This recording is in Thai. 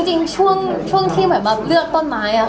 คือจริงช่วงที่เหมือนว่าเลือกต้นไม้อะค่ะ